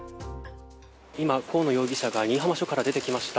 今、河野容疑者が新居浜署から出てきました。